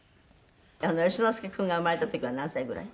「善之介君が生まれた時は何歳ぐらい？